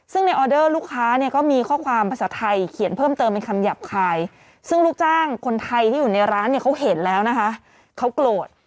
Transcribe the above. ซึ่งในออเดอร์ลูกค้าเนี่ยก็มีข้อความภาษาไทยเขียนเพิ่มเติมเป็นคำหยาบคายซึ่งลูกจ้างคนไทยที่อยู่ในร้านเนี่ยเขาเห็นแล้วนะคะเขาโกรธ